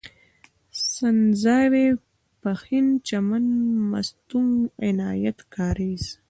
سنځاوۍ، پښين، چمن، مستونگ، عنايت کارېز